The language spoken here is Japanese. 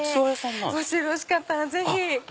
もしよろしかったらぜひ。